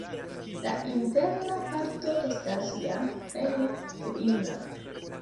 La interna parto estas jam plene ruina.